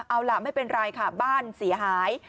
เอาล่ะไม่เป็นไรค่ะบ้านเสียหาย